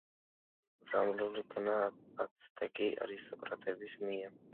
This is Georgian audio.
მოწამლულ იქნა აცტეკი არისტოკრატების მიერ.